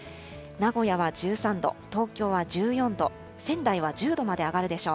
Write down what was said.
名古屋は１３度、東京は１４度、仙台は１０度まで上がるでしょう。